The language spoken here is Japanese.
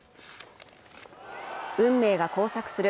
運命が交錯する